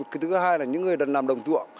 cái thứ hai là những người làm đồng dụa